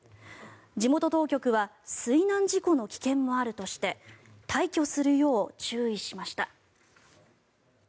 地元当局は水難事故の危険もあるとして退去するよう注意しました。